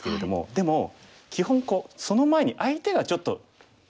でも基本その前に相手がちょっとすごいとこきた。